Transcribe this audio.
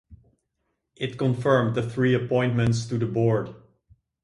It confirmed the three appointments to the board.